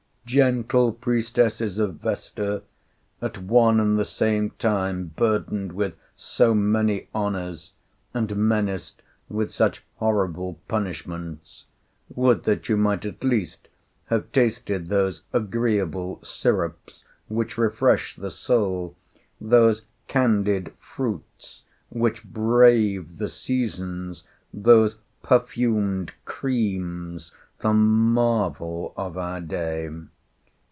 Gentle priestesses of Vesta, at one and the same time burdened with so many honors and menaced with such horrible punishments, would that you might at least have tasted those agreeable syrups which refresh the soul, those candied fruits which brave the seasons, those perfumed creams, the marvel of our day!